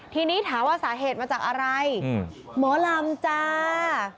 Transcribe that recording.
ทีนี้ถามว่าสาเหตุมาจากอะไรหมอลำจ้า